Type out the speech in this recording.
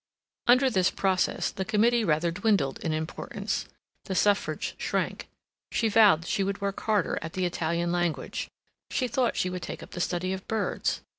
Under this process, the committee rather dwindled in importance; the Suffrage shrank; she vowed she would work harder at the Italian language; she thought she would take up the study of birds.